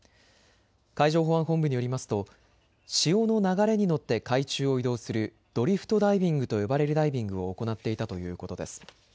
海上保安本部によりますと潮の流れに乗って海中を移動するドリフトダイビングと呼ばれるダイビングを行っていたということです。